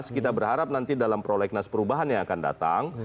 kita berharap nanti dalam prolegnas perubahan yang akan datang